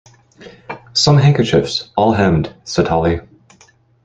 "Some handkerchiefs, all hemmed," said Hollie.